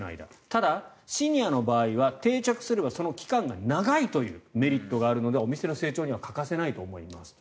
ただ、シニアの場合は定着すればその期間が長いというメリットがあるのでお店の成長には欠かせないと思います。